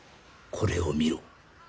これを見ろ。